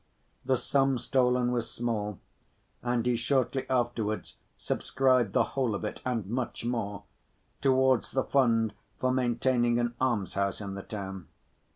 The sum stolen was small, and he shortly afterwards subscribed the whole of it, and much more, towards the funds for maintaining an almshouse in the town.